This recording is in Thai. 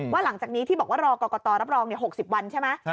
หลังจากนี้ที่บอกว่ารอกรกตรับรอง๖๐วันใช่ไหม